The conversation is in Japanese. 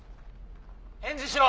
「返事しろ！